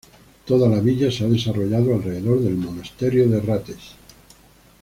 Toda la villa se ha desarrollado alrededor del monasterio de Rates.